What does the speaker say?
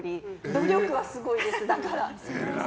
努力はすごいです、だから。